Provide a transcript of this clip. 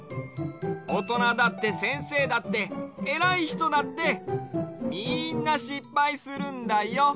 おとなだってせんせいだってえらいひとだってみんなしっぱいするんだよ。